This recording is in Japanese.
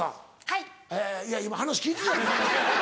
いや今話聞いてたよね？